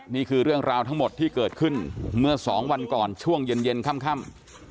นี่คือเรื่องราวทั้งหมดที่เกิดขึ้นเมื่อ๒วันก่อนช่วงเย็นค่ำ